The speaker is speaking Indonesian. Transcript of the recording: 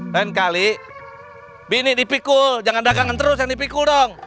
lain kali bini dipikul jangan dagangan terus yang dipikul dong